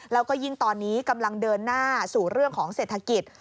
แล้วก็ยิ่งตอนนี้กำลังเดินหน้าสู่เรื่องของเศรษฐกิจ